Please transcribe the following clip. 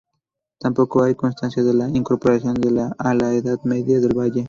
Tampoco hay constancia de la incorporación a la Edad Media del valle.